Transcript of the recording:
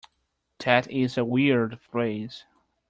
That is a weird phrase.